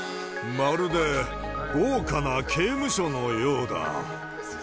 まるで豪華な刑務所のようだ。